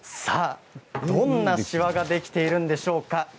どんなしわができているんでしょうか。